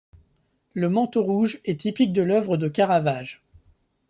Le manteau rouge est typique de l’œuvre de Caravage.